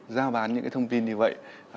giao bán những thông tin như vậy